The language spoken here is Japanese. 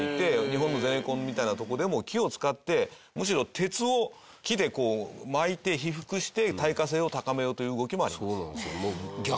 日本のゼネコンみたいなとこでも木を使ってむしろ鉄を木でこう巻いて被覆して耐火性を高めようという動きもあります。